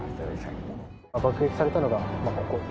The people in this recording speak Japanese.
爆撃されたのがここ。